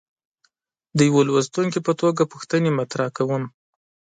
د یوه لوستونکي په توګه پوښتنې مطرح کوم.